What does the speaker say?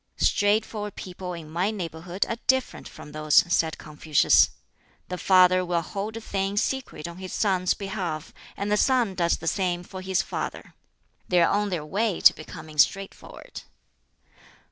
"Straightforward people in my neighborhood are different from those," said Confucius. "The father will hold a thing secret on his son's behalf, and the son does the same for his father. They are on their way to becoming straightforward."